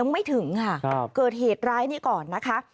ไม่ถึงค่ะเกิดเหตุร้ายนี้ก่อนนะคะ